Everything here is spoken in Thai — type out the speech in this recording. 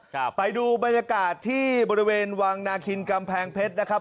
ครับไปดูบรรยากาศที่บริเวณวังนาคินกำแพงเพชรนะครับ